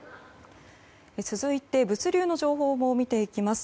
続いて物流の情報も見ていきます。